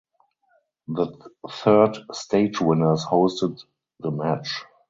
The third stage winners hosted the match.